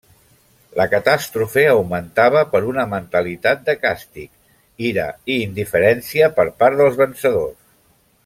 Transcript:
La catàstrofe augmentava per una mentalitat de càstig, ira i indiferència per part dels vencedors.